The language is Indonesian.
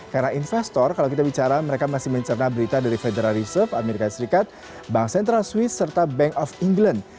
karena investor kalau kita bicara mereka masih mencernah berita dari federal reserve amerika serikat bank sentral swiss serta bank of england